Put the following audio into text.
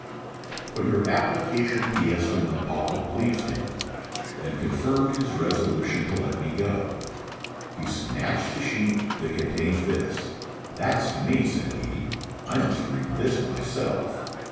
But your application in P.S. to my papa pleased him; and confirmed his resolution to let me go. He snatched the sheet that contained this, "That's to me," said he: "I must read this myself."